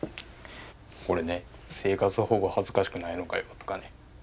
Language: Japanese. これね「生活保護恥ずかしくないのかよ」とかね。